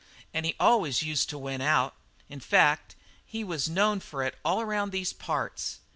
An' he always used to win out. In fact, he was known for it all around these parts.